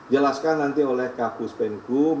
jelaskan nanti oleh kak huspenkum